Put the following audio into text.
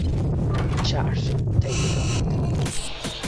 Charles Taylor